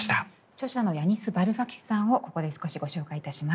著者のヤニス・バルファキスさんをここで少しご紹介いたします。